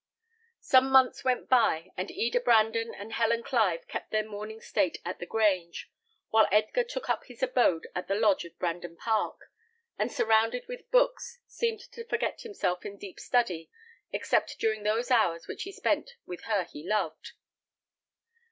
Some months went by, and Eda Brandon and Helen Clive kept their mourning state at the Grange, while Edgar took up his abode at the lodge of Brandon Park, and surrounded with books, seemed to forget himself in deep study, except during those hours which he spent with her he loved.